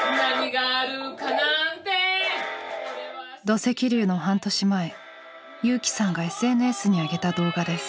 土石流の半年前友紀さんがＳＮＳにあげた動画です。